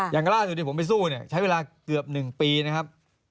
อย่างล่าสุดที่ผมไปสู้เนี่ยใช้เวลาเกือบ๑ปีนะครับ